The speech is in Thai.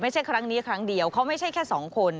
ครั้งนี้ครั้งเดียวเขาไม่ใช่แค่สองคน